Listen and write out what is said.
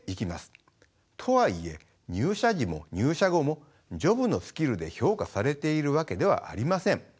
とはいえ入社時も入社後もジョブのスキルで評価されているわけではありません。